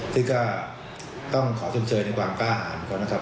ซึ่งก็ต้องขอชมเชยในความกล้าหารก่อนนะครับ